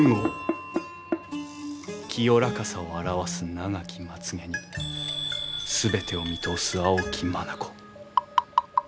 清らかさを表す長きまつ毛に全てを見通す蒼き眼。